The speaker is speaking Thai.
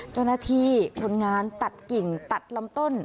เจ้าหน้าที่คนงานตัดกิ่งตัดลำต้น